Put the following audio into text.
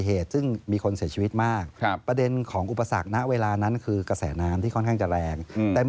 เอิ่มอันนั้นน่ะค่อนที่เหลือ